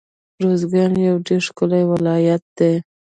روزګان يو ډير ښکلی ولايت دی